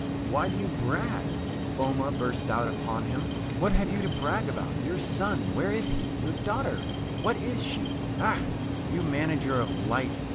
"Why do you brag?" Foma, bursts out upon him. "What have you to brag about? Your son where is he? Your daughter what is she? Ekh, you manager of life!